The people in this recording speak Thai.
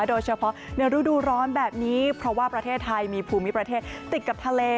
โดยเฉพาะในรูดูร้อนแบบนี้เพราะว่าประเทศไทยมีภูมิประเทศติดกับทะเล